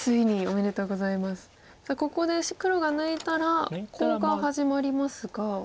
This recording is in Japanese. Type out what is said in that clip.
さあここで黒が抜いたらコウが始まりますが。